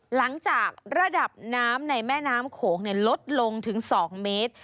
หลังจากระดับน้ำในแม่น้ำโขงลดลงถึง๒เมตร